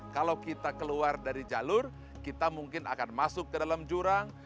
kalau kita keluar dari jalur kita mungkin akan masuk ke dalam jurang